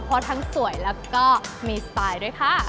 เพราะทั้งสวยแล้วก็มีสไตล์ด้วยค่ะ